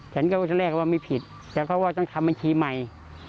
ฉันก็รู้ทั้งแรกว่าไม่ผิดแล้วก็ว่าต้องทำบัญชีใหม่